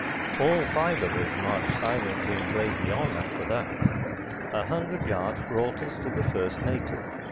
All five of us marched silently, and bravely, on after that. A hundred yards brought us to the first native.